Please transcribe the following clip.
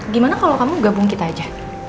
gimana kalau kamu gabung kita aja